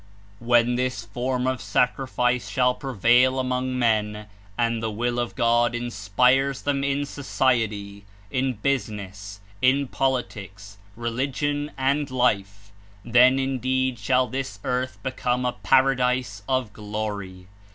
When this form of sacrifice shall prevail among men, and the Will of God inspires them in society, in business, in politics, religion and life, then indeed shall this earth become a "Paradise of Glory."